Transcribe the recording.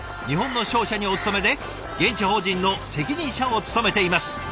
日本の商社にお勤めで現地法人の責任者を務めています。